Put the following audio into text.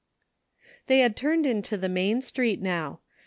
They had tiuned into the main street, now.